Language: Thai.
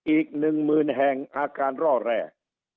อีก๑๐๐๐๐แทงอาการร่อแรก